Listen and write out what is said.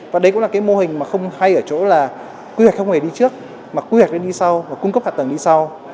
và đấy cũng là cái mô hình mà không hay ở chỗ là quy hoạch không hề đi trước mà quy hoạch đi sau và cung cấp hạ tầng đi sau